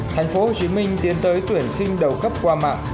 thành phố hồ chí minh tiến tới tuyển sinh đầu cấp qua mạng